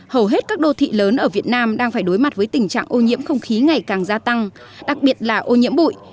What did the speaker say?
hầu hết các đô thị lớn ở việt nam đang phải đối mặt với tình trạng ô nhiễm không khí ngày càng gia tăng đặc biệt là ô nhiễm bụi